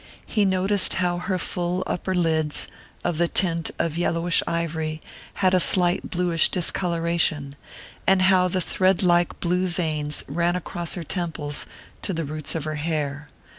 He noticed how her full upper lids, of the tint of yellowish ivory, had a slight bluish discolouration, and how little thread like blue veins ran across her temples to the roots of her hair.